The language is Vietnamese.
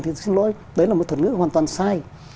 thì xin lỗi đấy là một thuật ngữ hoàn toàn sai